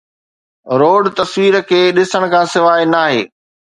road تصوير کي ڏسڻ کان سواء ناهي